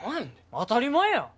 当たり前や！